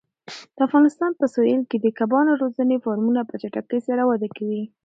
د افغانستان په سویل کې د کبانو روزنې فارمونه په چټکۍ سره وده کوي.